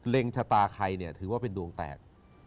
ชะตาใครเนี่ยถือว่าเป็นดวงแตก